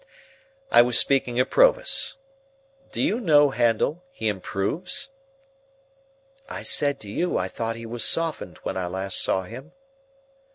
I was speaking of Provis. Do you know, Handel, he improves?" "I said to you I thought he was softened when I last saw him."